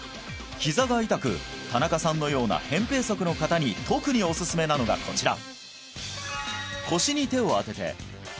ひざが痛く田中さんのような扁平足の方に特におすすめなのがこちら！